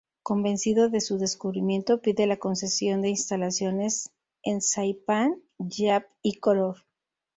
Convencido de su descubrimiento, pide la concesión de instalaciones en Saipán, Yap y Koror.